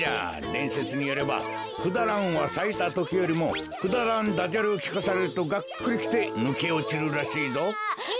でんせつによればクダランはさいたときよりもくだらんダジャレをきかされるとがっくりきてぬけおちるらしいぞ。